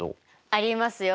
ありますよ！